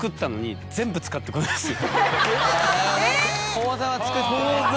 口座は作って。